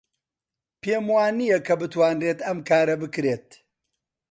پێم وانییە کە بتوانرێت ئەم کارە بکرێت.